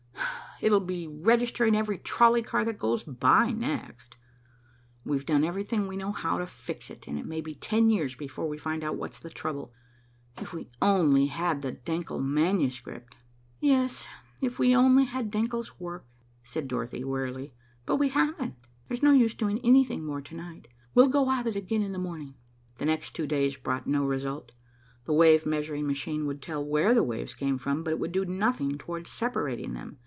It'll be registering every trolley car that goes by next. We've done every thing we know how to fix it, and it may be ten years before we find out what's the trouble. If we only had the Denckel manuscript." "Yes, if we only had Denckel's work," said Dorothy wearily. "But we haven't. There's no use doing anything more to night. We'll go at it again in the morning." The next two days brought no result. The wave measuring machine would tell where the waves came from, but it would do nothing towards separating them.